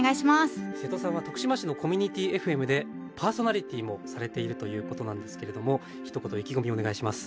瀬戸さんは徳島市のコミュニティーＦＭでパーソナリティーもされているということなんですけれどもひと言意気込みをお願いします。